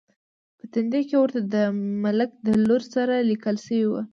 په تندي کې ورته د ملک د لور سره لیکل شوي و.